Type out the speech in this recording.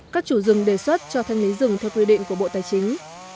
các chủ rừng đề xuất cho thanh lý rừng theo quy định của bộ tài chính